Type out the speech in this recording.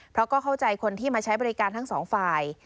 เพราะก็เข้าใจคนที่มาใช้บริการทั้งสองฝ่าย